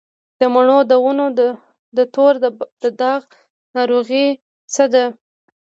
د مڼو د ونو د تور داغ ناروغي څه ده؟